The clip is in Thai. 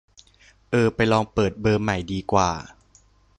เออ ไปลองเปิดเบอร์ใหม่ดีกว่า